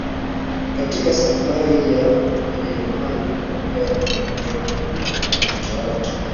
katika safari ya wajerumani kuja kuitawala Tanganyika